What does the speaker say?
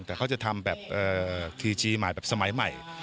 แต่เขาจะทำแบบคีจีใหม่แบบสมัยใหม่